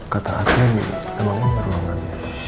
kata aten yang udah bangun ruangan